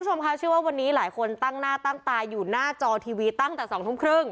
คุณผู้ชมคะชื่อว่าวันนี้หลายคนตั้งหน้าตั้งตาอยู่หน้าจอทีวีตั้งแต่๒ทุ่มครึ่ง